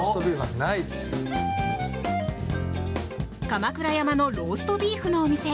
鎌倉山のローストビーフのお店。